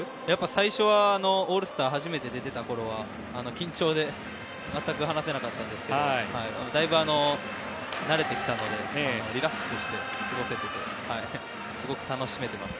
最初はオールスターに初めて出ていたころは緊張で全く話せなかったんですけどだいぶ慣れてきたのでリラックスして過ごせていてすごく楽しめています。